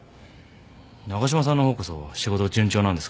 長嶋さんの方こそ仕事順調なんですか？